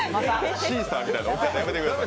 シーサーみたいな置き方、やめてください。